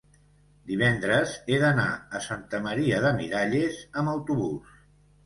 divendres he d'anar a Santa Maria de Miralles amb autobús.